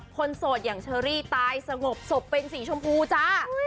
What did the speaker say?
โสดอย่างเชอรี่ตายสงบศพเป็นสีชมพูจ้า